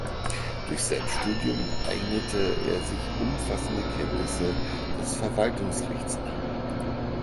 Durch Selbststudium eignete er sich umfassende Kenntnisse des Verwaltungsrechts an.